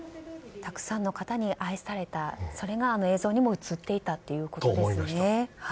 たくさんの方に愛されたそれが映像にも映っていたということですね。